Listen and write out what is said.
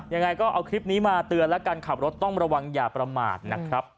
ยังไงก็เอาคลิปนี้มาเตือนแล้วกันขับรถต้องระวังอย่าประมาทนะครับ